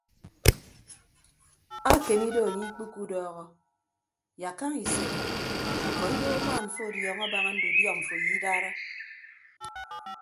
Akeme ido anye ikpiku udọọhọ yak kaña ise ñkọ idoho añwaan mfọ ọdiọñọ abaña ndudiọ mfo ye idara.